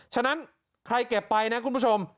ฉะนั้นใครเก็บไปนะคุณผู้ชม